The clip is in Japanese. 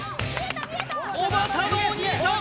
おばたのお兄さん